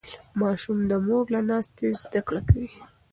ماشوم د مور له ناستې زده کړه کوي.